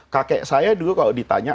kakek saya dulu kalau ditanya